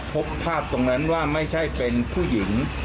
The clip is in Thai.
พบภาพตรงนั้นว่าไม่ใช่เป็นผู้หญิง